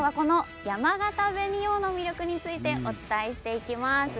今日は、やまがた紅王の魅力についてお伝えします。